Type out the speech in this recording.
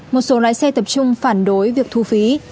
một số lái xe tập trung phản đối việc thu phí